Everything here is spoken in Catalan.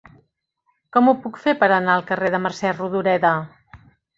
Com ho puc fer per anar al carrer de Mercè Rodoreda?